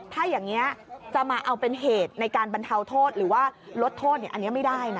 ถ้าอย่างนี้จะมาเอาเป็นเหตุในการบรรเทาโทษหรือว่าลดโทษอันนี้ไม่ได้นะ